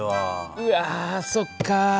うわそっか。